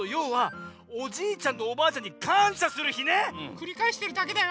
くりかえしてるだけだよ。